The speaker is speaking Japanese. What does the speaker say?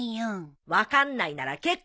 分かんないなら結構！